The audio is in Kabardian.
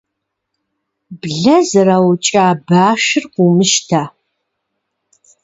Блэ зэраукӏа башыр къыумыщтэ.